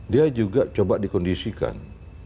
dia juga coba dikondisikan